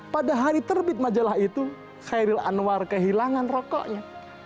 pada hari terbit majalah itu khairil anwar kehilangan rokoknya